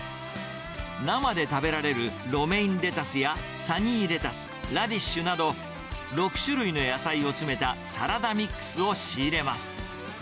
生で食べられるロメインレタスやサニーレタス、ラディッシュなど、６種類の野菜を詰めたサラダミックスを仕入れます。